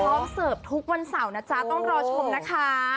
เสิร์ฟทุกวันเสาร์นะจ๊ะต้องรอชมนะคะ